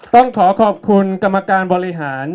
ต้องขอขอบคุณกรรมการบริหาร